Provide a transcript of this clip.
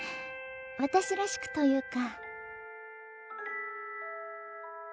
私らしくというか。